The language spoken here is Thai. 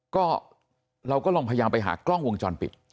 ก็เราก็ลองพยายามไปหากล้องวงจรปิด